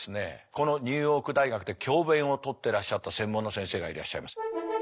このニューヨーク大学で教べんを執ってらっしゃった専門の先生がいらっしゃいます。